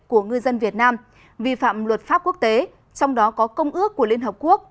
của ngư dân việt nam vi phạm luật pháp quốc tế trong đó có công ước của liên hợp quốc